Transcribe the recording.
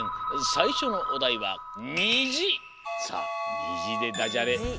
さいしょのおだいは「にじ」でダジャレ。